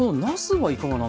はい。